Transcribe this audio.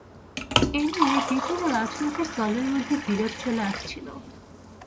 এ নিয়ে বিভিন্ন রাজনৈতিক দলের মধ্যে বিরোধ চলে আসছিল।